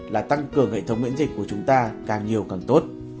là tăng cường hệ thống miễn dịch của chúng ta càng nhiều càng tốt